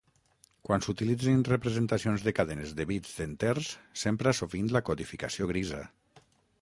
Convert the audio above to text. Quan s'utilitzen representacions de cadenes de bits d'enters, s'empra sovint la codificació grisa.